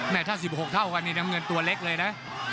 ถ้า๑๖เท่ากันนี่น้ำเงินตัวเล็กเลยนะ